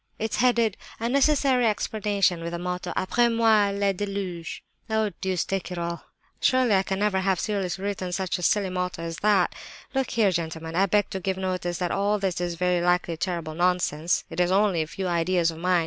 "It's headed, 'A Necessary Explanation,' with the motto, 'Après moi le déluge!' Oh, deuce take it all! Surely I can never have seriously written such a silly motto as that? Look here, gentlemen, I beg to give notice that all this is very likely terrible nonsense. It is only a few ideas of mine.